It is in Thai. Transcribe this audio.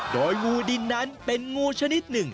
โดยงูดินนั้นเป็นงูชนิดหนึ่ง